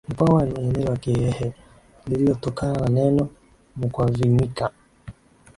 mkwawa ni neno la kihehe lililotokana na neno mukwavinyika